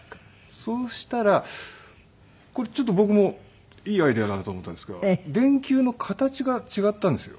そうしたらこれちょっと僕もいいアイデアだなと思ったんですが電球の形が違ったんですよ。